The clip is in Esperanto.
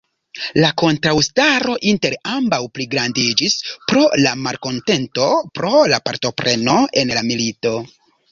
La kontraŭstaro inter ambaŭ pligrandiĝis pro la malkontento pro la partopreno en la milito.